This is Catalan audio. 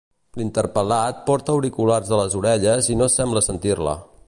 L'interpel·lat porta auriculars a les orelles i no sembla sentir-la.